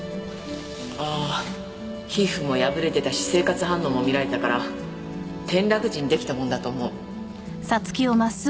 ああ皮膚も破れてたし生活反応も見られたから転落時に出来たものだと思う。